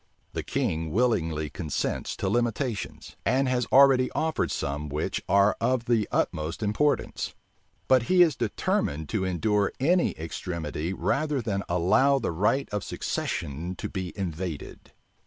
The king willingly consents to limitations, and has already offered some which are of the utmost importance: but he is determined to endure any extremity rather than allow the right of succession to be invaded.